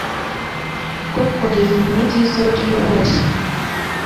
bwo kogeza inkuru nziza aho turi hose